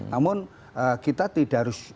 namun kita tidak harus